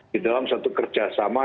di dalam satu kerjasama